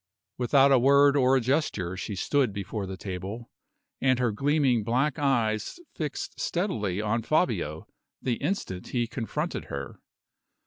Without a word or a gesture she stood before the table, and her gleaming black eyes fixed steadily on Fabio the instant he confronted her.